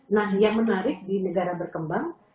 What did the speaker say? nah yang menarik di negara berkembang